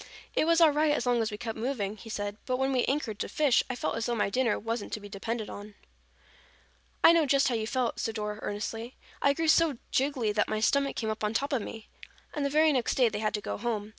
"It was all right as long as we kept moving," he said, "but when we anchored to fish, I felt as though my dinner wasn't to be depended upon." "I know just how you felt," said Dora earnestly. "I grew so jiggly that my stomach came up on top of me." And the very next day they had to go home.